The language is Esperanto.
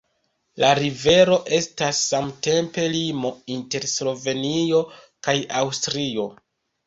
La rivero estas samtempe limo inter Slovenio kaj Aŭstrio.